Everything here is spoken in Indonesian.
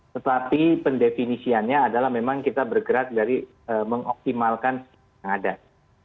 tetapi pendefinisiannya adalah memang kita bergerak dari mengoptimalkan keadaan